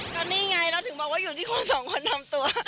ก็นี่ไงเราถึงบอกว่าอยู่ที่คนสองคนนำตัว